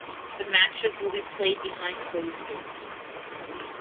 The matches will be played behind closed doors.